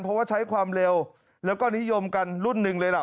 เพราะว่าใช้ความเร็วแล้วก็นิยมกันรุ่นหนึ่งเลยล่ะ